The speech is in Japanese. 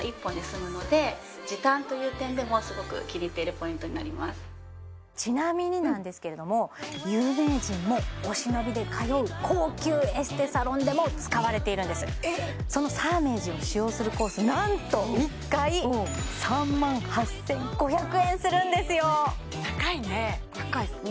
ポイントになりますちなみになんですけれども有名人もお忍びで通う高級エステサロンでも使われているんですなんと１回３万８５００円するんですよ高いね高いですね